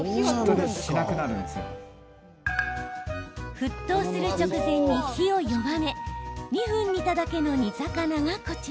沸騰する直前に火を弱め２分煮ただけの煮魚がこちら。